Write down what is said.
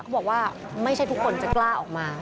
บอกว่าไม่ใช่ทุกคนจะกล้าออกมา